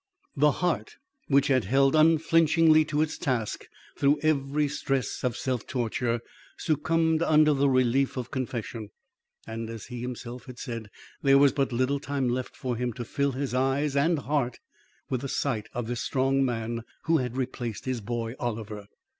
The heart, which had held unflinchingly to its task through every stress of self torture, succumbed under the relief of confession, and as he himself had said, there was but little time left him to fill his eyes and heart with the sight of this strong man who had replaced his boy Oliver.